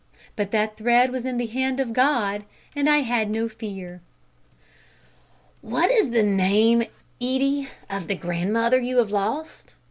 But that thread was in the hand of God, and I had no fear." "What is the name, Edie, of the grandmother you have lost?"